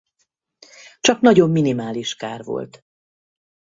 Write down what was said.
Csak nagyon minimális kár volt.